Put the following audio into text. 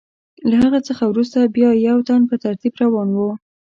له هغه څخه وروسته بیا یو تن په ترتیب روان و.